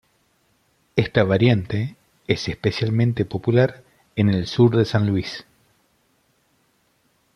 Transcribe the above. Esta variante es especialmente popular en el sur de San Luis.